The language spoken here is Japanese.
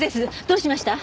どうしました？